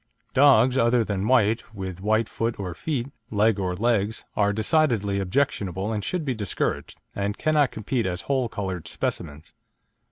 Dogs, other than white, with white foot or feet, leg or legs, are decidedly objectionable and should be discouraged, and cannot compete as whole coloured specimens.